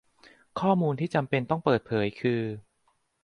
ข้อมูลที่จำเป็นต้องเปิดเผยคือ